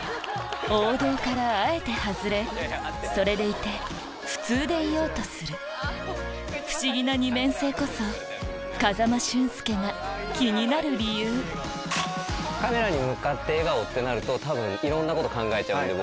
王道からあえて外れそれでいて普通でいようとする不思議な二面性こそ風間俊介が気になる理由カメラに向かって笑顔ってなるといろんなこと考えちゃうんで僕。